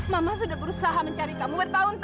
mama sudah berusaha mencari kamu